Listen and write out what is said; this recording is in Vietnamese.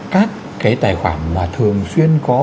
các cái tài khoản mà thường xuyên có